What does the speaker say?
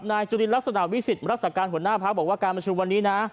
จุลินลักษณะวิสิทธิ์รักษาการหัวหน้าพักบอกว่าการประชุมวันนี้นะ